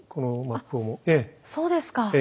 あっそうですか。